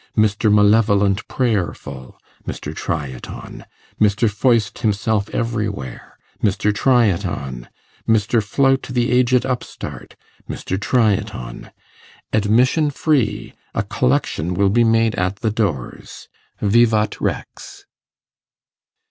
Mr. Malevolent Prayerful, .... MR. TRY IT ON!!!!! Mr. Foist himself Everywhere, .. MR. TRY IT ON!!!!!! Mr. Flout the aged Upstart, ... MR. TRY IT ON!!!!!!! Admission Free. A Collection will be made at the Doors. _Vivat Rex!